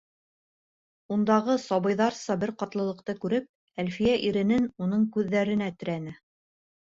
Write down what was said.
Ундағы сабыйҙарса бер ҡатлылыҡты күреп, Әлфиә иренен уның күҙҙәренә терәне.